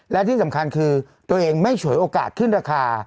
และที่สำคัญคือตัวเองไม่ฉวยโอกาสขึ้นราคา